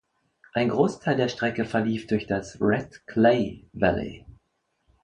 Ein Großteil der Strecke verlief durch das Red Clay Valley.